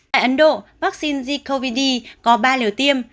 tại ấn độ vaccine z cov d có ba liều tiêm